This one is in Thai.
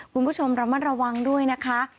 คุณผู้ชมระมัดระวังด้วยนะคะ